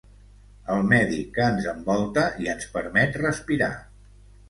El medi que ens envolta i ens permet respirar.